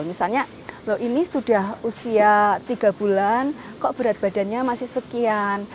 misalnya loh ini sudah usia tiga bulan kok berat badannya masih sekian